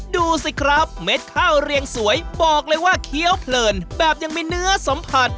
ดูสิครับเม็ดข้าวเรียงสวยบอกเลยว่าเคี้ยวเพลินแบบยังมีเนื้อสัมผัส